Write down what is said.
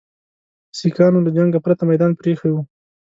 سیکهانو له جنګه پرته میدان پرې ایښی وو.